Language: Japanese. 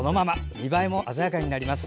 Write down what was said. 見栄えも鮮やかになります。